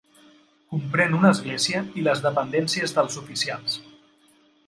Comprèn una església i les dependències dels oficials.